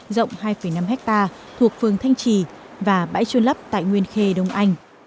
rộng hai năm ha thuộc phường thanh trì và bãi chôn lấp tại nguyên khê đông anh